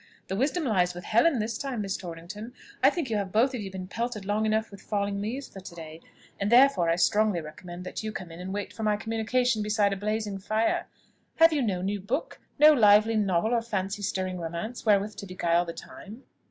The wisdom lies with Helen this time, Miss Torrington; I think you have both of you been pelted long enough with falling leaves for to day, and therefore I strongly recommend that you come in and wait for my communication beside a blazing fire. Have you no new book, no lively novel or fancy stirring romance, wherewith to beguile the time?"